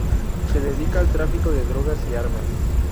Se dedica al tráfico de drogas y armas.